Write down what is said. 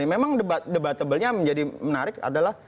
memang debat tebalnya menjadi menarik adalah